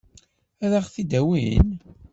Ad ɣ-t-id-awin?